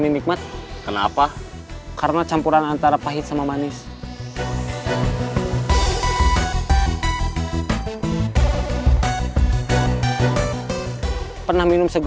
itu kayaknya kang ujang udah dateng